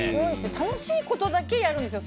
楽しいことだけやるんですよ。